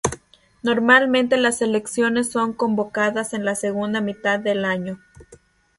Normalmente, las elecciones son convocadas en la segunda mitad del año.